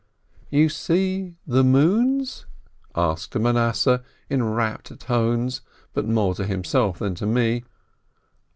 "You see the 'moons'?" asked Manasseh, in rapt tones, but more to himself than to me.